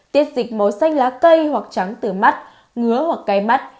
tiết dịch màu xanh lá cây hoặc trắng từ mắt ngứa hoặc cây mắt